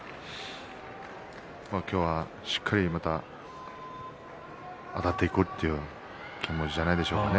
今日は、しっかりあたっていくという気持ちはないでしょうかね。